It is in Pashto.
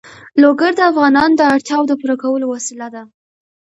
لوگر د افغانانو د اړتیاوو د پوره کولو وسیله ده.